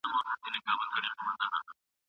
پښتو په ډیجیټل نړۍ کې خپله سیالي پیل کړه.